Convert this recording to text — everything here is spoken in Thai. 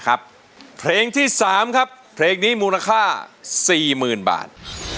นะครับเพลงที่สามครับเพลงนี้มูลค่าสี่หมื่นบาท